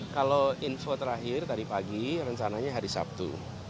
kalau info terakhir tadi pagi rencananya hari sabtu